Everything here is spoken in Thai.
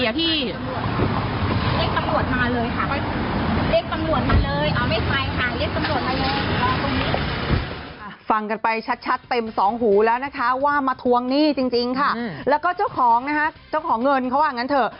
เรียกสำรวจม่าเรียกสำรวจน่ะเลย